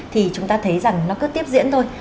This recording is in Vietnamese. thì chúng ta thấy rằng nó cứ tiếp diễn thôi